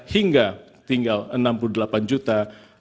hingga tinggal enam puluh delapan juta dua belas tujuh ratus delapan puluh empat